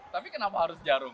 tapi kenapa harus jarum